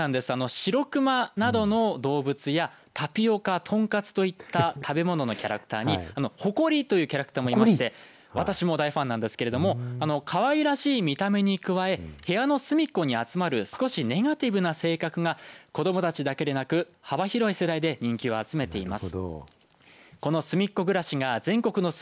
しろくまなどの動物やたぴおか、とんかつといった食べ物のキャラクターにほこりというキャラクターもいまして私も大ファンなんですけれどもかわいらしい見た目に加え部屋のすみっこに集まる少しネガティブな性格が子どもたちだけでなく幅広い世代で人気を集めています。